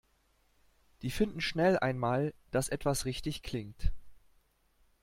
Die finden schnell einmal, dass etwas richtig klingt.